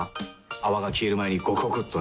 泡が消える前にゴクゴクっとね。